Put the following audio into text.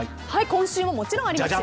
今週も、もちろんあります。